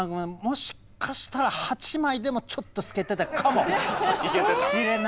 もしかしたら８枚でもちょっと透けてたかもしれない。